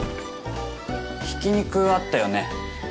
ひき肉あったよね。